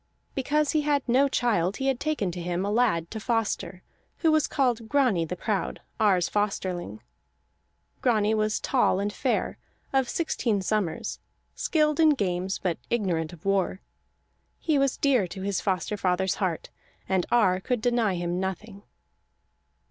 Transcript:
Because he had no child he had taken to him a lad to foster, who was called Grani the Proud, Ar's Fosterling. Grani was tall and fair, of sixteen summers, skilled in games but ignorant of war. He was dear to his foster father's heart, and Ar could deny him nothing.